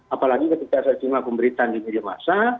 apalagi ketika saya cuman pemberitahannya di media massa